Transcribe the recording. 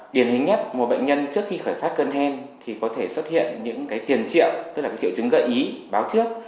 điển hình nhất một bệnh nhân trước khi khởi phát cơn hen thì có thể xuất hiện những tiền triệu tức là triệu chứng gợi ý báo trước